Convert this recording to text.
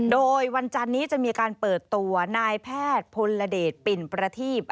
โดยวันจันนี้จะมีการเปิดตัวนายแพทย์พลเดชปิ่นประทีบ